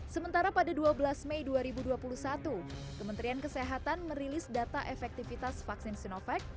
sementara pada dua belas mei dua ribu dua puluh satu kementerian kesehatan merilis data efektivitas vaksin sinovac